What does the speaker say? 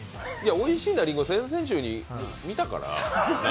おいしいな林檎先々週に７回ほど見たから。